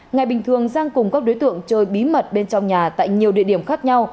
ngày bình thường giang cùng các đối tượng chơi bí mật bên trong nhà tại nhiều địa điểm khác nhau